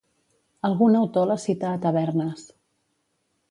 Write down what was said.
Algun autor la cita a Tabernas.